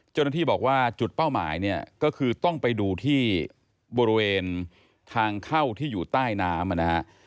เจ้าหน้าที่บอกว่าจุดเป้าหมายเนี่ยก็คือต้องไปดูที่บริเวณทางเข้าที่อยู่ใต้น้ำนะฮะ